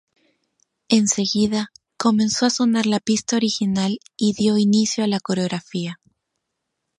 En seguida, comenzó a sonar la pista original y dio inicio a la coreografía.